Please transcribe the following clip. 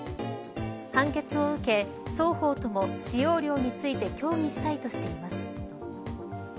判決を受け、双方とも使用料について協議したいとしています。